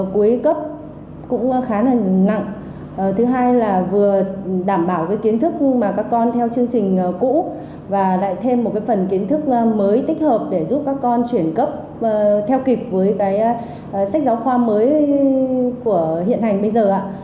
cuối cấp cũng khá là nặng thứ hai là vừa đảm bảo cái kiến thức mà các con theo chương trình cũ và lại thêm một cái phần kiến thức mới tích hợp để giúp các con chuyển cấp theo kịp với cái sách giáo khoa mới của hiện hành bây giờ